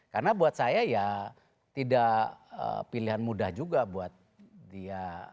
karena buat saya ya tidak pilihan mudah juga buat dia